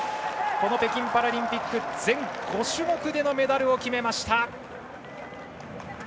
この北京パラリンピック全５種目でのメダルを決めました。